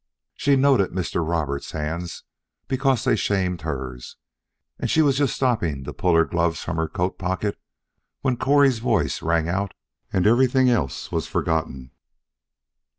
She noted Mr. Roberts' hands, because they shamed hers, and she was just stopping to pull her gloves from her coat pocket when Correy's voice rang out and everything else was forgotten.